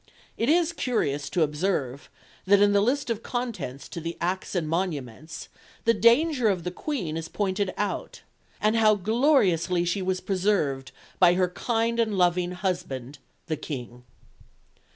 It is curious to observe that in the list of contents to the Acts and Monuments the danger of the Queen is pointed out, "and how gloriously she was preserved by her kind and loving Husband the King."